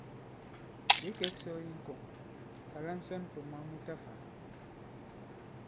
Ɓě kɛ̄k sɔ̄ i ŋkɔŋ, kàla ŋsɔn tɔ̀ moi mu ta fā.